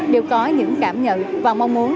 đều có những cảm nhận và mong muốn